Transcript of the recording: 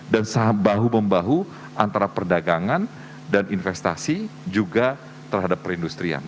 dan saham bahu membahu antara perdagangan dan investasi juga terhadap perindustrian